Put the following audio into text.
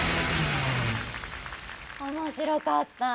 面白かった！